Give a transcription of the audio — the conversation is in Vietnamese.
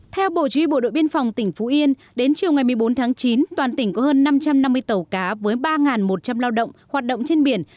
theo bộ chí huy bộ đội biên phòng tỉnh phú yên đến chiều ngày một mươi bốn tháng chín toàn tỉnh có hơn năm trăm năm mươi tàu cá với ba một trăm linh lao động hoạt động trên biển